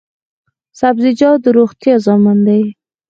سبزیجات د روغتیا ضامن دي